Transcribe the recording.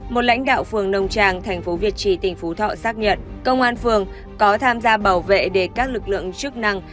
một lãnh đạo phường nông tràng thành phố việt trì tỉnh phú thọ xác nhận công an phường có tham gia bảo vệ để các lực lượng chức năng